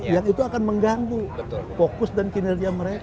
yang itu akan mengganggu fokus dan kinerja mereka